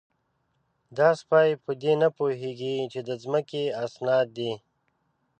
_دا سپۍ په دې نه پوهېږي چې د ځمکې اسناد دي؟